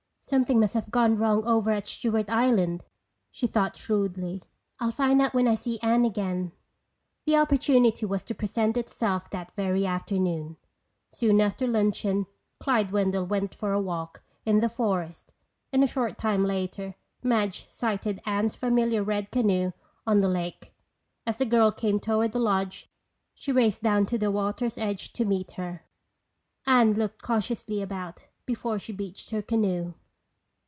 "Something must have gone wrong over at Stewart Island," she thought shrewdly. "I'll find out when I see Anne again." The opportunity was to present itself that very afternoon. Soon after luncheon, Clyde Wendell went for a walk in the forest and a short time later, Madge sighted Anne's familiar red canoe on the lake. As the girl came toward the lodge, she raced down to the water's edge to meet her. Anne looked cautiously about before she beached her canoe.